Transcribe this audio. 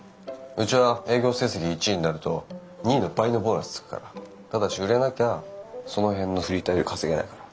うちは営業成績１位になると２位の倍のボーナスつくからただし売れなきゃその辺のフリーターより稼げないから。